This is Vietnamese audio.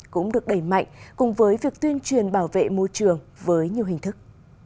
cũng được đẩy mạnh cùng với việc tuyên truyền bảo vệ môi trường với nhiều hình thức